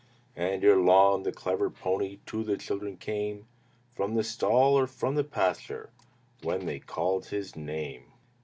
And ere long the clever pony To the children came From the stall or from the pasture When they called his name.